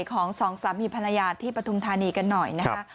ของสองสามีภรรยาที่ปฐุมธานีกันหน่อยนะคะ